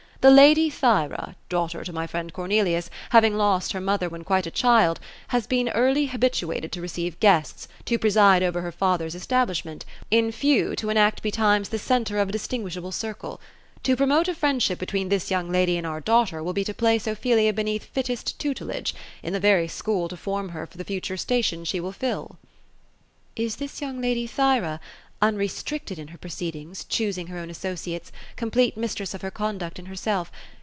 The lady Thyra. daughter to my friend Cornelius, having lost her mother when quite a child, has been early habituated to receive guests, to preside over her father's establishment, — in few, to enact betimes the centre of a distinguishable circle. To promote a friend* ship between this young lady and our daughter will be to place Ophelia beneath fittest tutelage — in the vcrj' school to form her for the future station ^she will fill.'' ^'^ Is this young lady Thyra, — unrestricted in her proceedings, choosing her own associates, complete mistress of her conduct and herself.